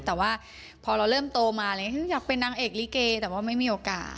แต่ว่าพอเราเริ่มโตมาฉันอยากเป็นนางเอกลิเกแต่ว่าไม่มีโอกาส